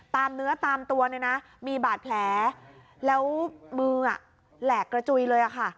ตามเนื้อตามตัวเนี่ยนะมีบาดแผลแล้วมือแหลกกระจุยเลยค่ะ